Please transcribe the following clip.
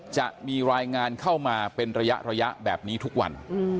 จะมีรายงานเข้ามาเป็นระยะแบบนี้ทุกวัน